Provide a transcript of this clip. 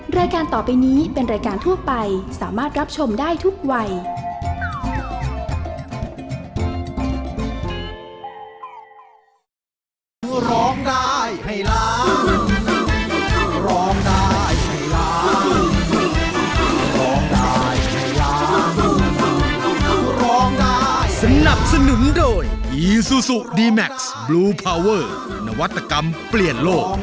รายการต่อไปนี้เป็นรายการทั่วไปสามารถรับชมได้ทุกวัย